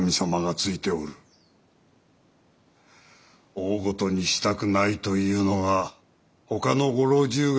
大ごとにしたくないというのがほかのご老中方の本音なのじゃ。